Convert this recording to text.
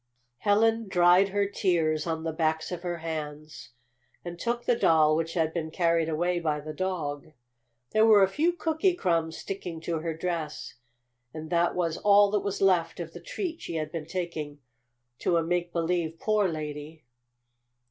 Helen dried her tears on the backs of her hands, and took the doll which had been carried away by the dog. There were a few cookie crumbs sticking to her dress, and that was all that was left of the treat she had been taking to a make believe poor lady.